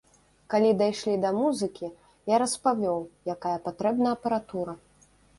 Калі дайшлі да музыкі, я распавёў, якая патрэбна апаратура.